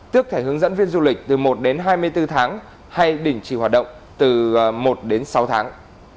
tước thể hướng dẫn viên du lịch từ một đến hai mươi bốn tháng hay đình chỉ hoạt động từ một đến sáu tháng